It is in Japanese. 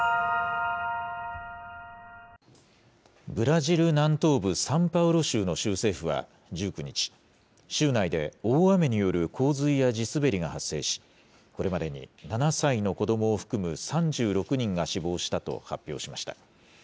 ブラジル南東部、サンパウロ州の州政府は、１９日、州内で大雨による洪水や地滑りが発生し、これまでに７歳の子どもを含む３６人が死亡したと発表しました。